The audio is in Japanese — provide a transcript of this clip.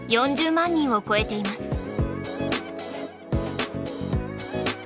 ４０万人を超えています。